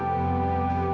ayang kamu mau ke mana